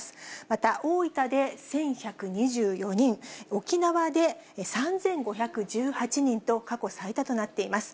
また大分で１１２４人、沖縄で３５１８人と過去最多となっています。